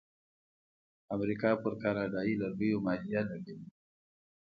امریکا پر کاناډایی لرګیو مالیه لګوي.